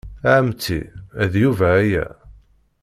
A ɛemmti, d Yuba aya.